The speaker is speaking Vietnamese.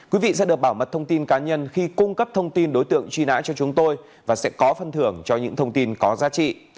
quý vị sẽ được bảo mật thông tin cá nhân khi cung cấp thông tin đối tượng truy nã cho chúng tôi và sẽ có phân thưởng cho những thông tin có giá trị